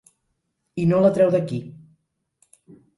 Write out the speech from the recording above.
I no la treu d'aquí.